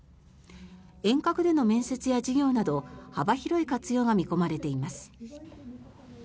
遠隔での面接や授業など幅広い活用が見込まれています。